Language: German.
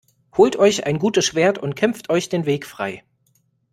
Holt euch ein gutes Schwert und kämpft euch den Weg frei!